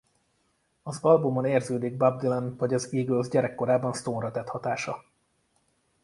Az albumon érződik Bob Dylan vagy az Eagles gyerekkorában Stone-ra tett hatása.